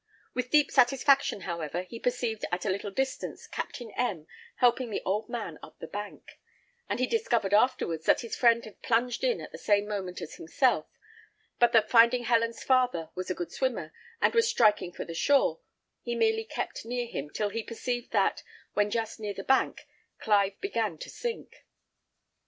With deep satisfaction, however, he perceived at a little distance Captain M helping the old man up the bank; and he discovered afterwards that his friend had plunged in at the same moment as himself, but that finding Helen's father was a good swimmer, and was striking for the shore, he merely kept near him, till he perceived that, when just near the bank, Clive began to sink.